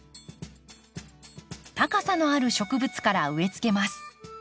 高さのある植物から植えつけます。